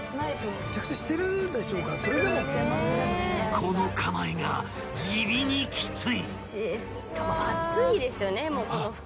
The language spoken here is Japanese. ［この構えが地味にきつい］